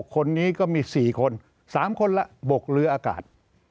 คนนี้ก็มี๔คน๓คนละบกเรืออากาศ